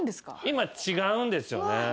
今違うんですよね。